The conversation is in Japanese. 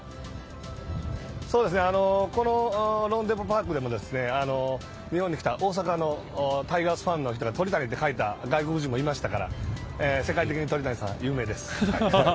このローンデポ・パークでも大阪のタイガースファンの人が鳥谷と書いた外国人もいましたから世界的に鳥谷さん有名です。